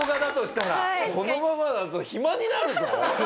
「このままだと暇になるぞ」。